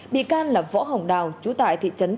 bị can là võ hồng đào chú tại thị trấn